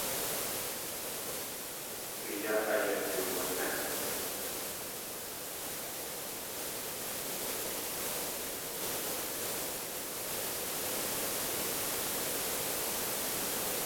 Du yáa ayaduwané.